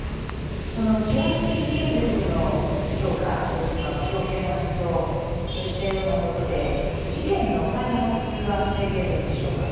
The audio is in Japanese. その治安維持権力の強化ですとか強権の発動といったようなことで事件の再発は防げるんでしょうか？